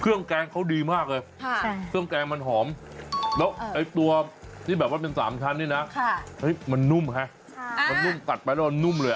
แกงเขาดีมากเลยเครื่องแกงมันหอมแล้วไอ้ตัวที่แบบว่าเป็น๓ชั้นนี่นะมันนุ่มฮะมันนุ่มตัดไปแล้วมันนุ่มเลย